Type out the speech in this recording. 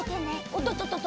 おととと！